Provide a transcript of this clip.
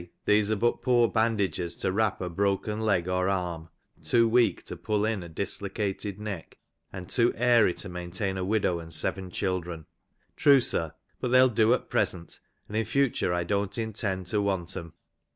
These are but poor ^ bandages to wrap a broken leg or arm, too weak to pull in a dislo* ' cated neck, and too airy to maintain a widow and seven children. ^ True, sir ; but they^Il do at present, and in future I don't intend to want ''em.